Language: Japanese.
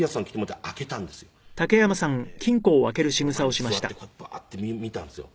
前に座ってこうやってバーッて見たんですよ。